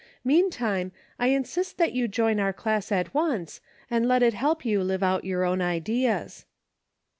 Meantime, I insist that you join our class at once, and let it help you to live out your own ideas."